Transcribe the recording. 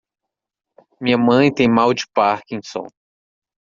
Minha mãe tem mal de Parkinson.